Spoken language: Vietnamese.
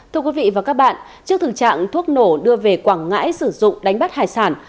thưa quý vị và các bạn trước thực trạng thuốc nổ đưa về quảng ngãi sử dụng đánh bắt hải sản